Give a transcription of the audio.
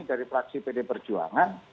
dari fraksi pd perjuangan